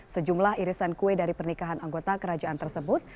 sejumlah irisan kue dari pernikahan anggota kerajaan tersebut